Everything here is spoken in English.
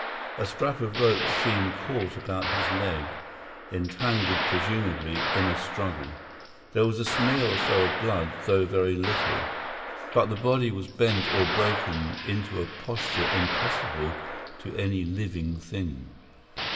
A scrap of rope seemed caught about his leg, entangled presumably in a struggle. There was a smear or so of blood, though very little; but the body was bent or broken into a posture impossible to any living thing.